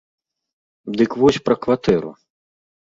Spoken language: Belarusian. Дык вось пра кватэру.